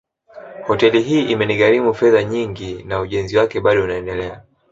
Hoteli hii imenigharimu fedha nyingi na ujenzi wake bado unaendelea